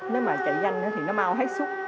nếu mà chạy nhanh thì nó mau hết súc